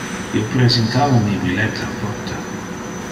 Io presentava mi billet al porta.